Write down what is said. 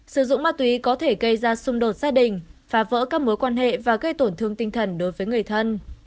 sử dụng ma túy có thể gây ra xung đột gia đình phá vỡ các mối quan hệ và gây tổn thương tinh thần đối với người thân